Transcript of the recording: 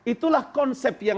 itulah konsep yang sekarang